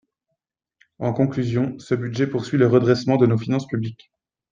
En conclusion, ce budget poursuit le redressement de nos finances publiques.